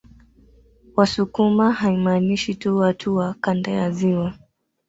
Wasukuma haimaanishi tu watu wa kanda ya ziwa